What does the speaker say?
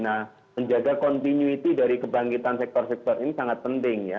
nah menjaga continuity dari kebangkitan sektor sektor ini sangat penting ya